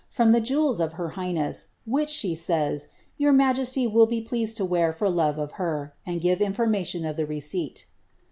from the jewels of her highness, which, she savs, your majesty will ^ pleased to wear for love of her, and give information of the receipt."